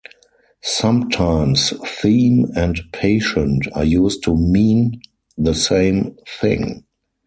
Sometimes, "theme" and "patient" are used to mean the same thing.